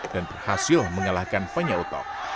dan berhasil mengalahkan panjang utok